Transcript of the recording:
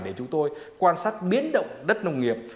để chúng tôi quan sát biến động đất nông nghiệp